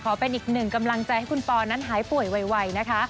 เป็นอีกหนึ่งกำลังใจให้คุณปอนั้นหายป่วยไวนะคะ